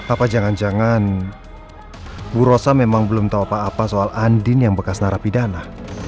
apa jangan jangan bu rosa memang belum tahu apa apa soal andin yang bekas narapidana